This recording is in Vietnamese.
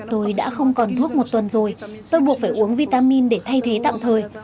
tôi đã không còn thuốc một tuần rồi tôi buộc phải uống vitamin để thay thế tạm thời